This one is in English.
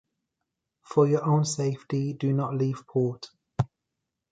For your own safety do not leave port.